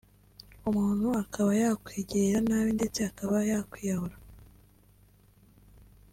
umuntu akaba yakwigirira nabi ndetse akaba yakwiyahura